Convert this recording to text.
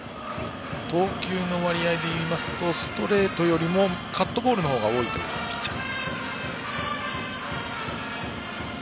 投球の割合でいいますとストレートよりもカットボールの方が多いというピッチャー。